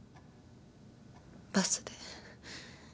バスで。